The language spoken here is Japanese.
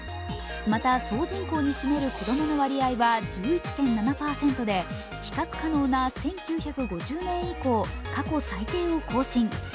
また、総人口に占める子供の割合は１１．７％で比較可能な１９５０年以降、過去最低を更新。